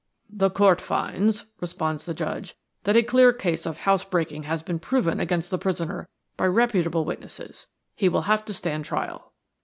"The court finds," responded the Judge, "that a clear case of house breaking has been proven against the prisoner by reputable witnesses. He will have to stand trial."